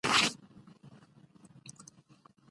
ورسه وئې وينه.